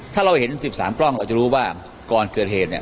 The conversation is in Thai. ถ้าเราเห็น๑๓กล้องเราจะรู้ว่าก่อนเกิดเหตุเนี่ย